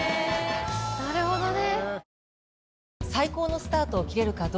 なるほどね。